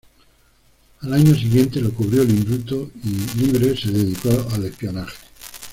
Al año siguiente lo cubrió el indulto y, libre, se dedicó al espionaje.